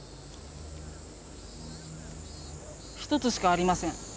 １つしかありません。